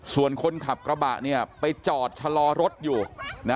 ส่วนคนขับกระบะเนี่ยไปจอดชะลอรถอยู่นะ